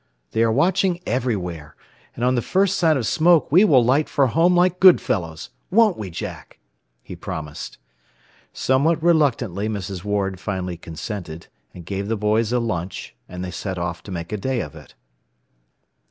They are watching everywhere. And on the first sign of smoke we will light for home like good fellows won't we, Jack?" he promised. Somewhat reluctantly Mrs. Ward finally consented, and gave the boys a lunch, and they set off to make a day of it.